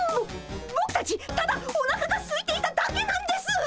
ぼぼくたちただおなかがすいていただけなんですっ！